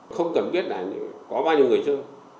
không cần biết là có bao nhiêu người chơi